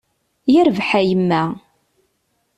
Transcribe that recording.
Yerbeḥ a yemma.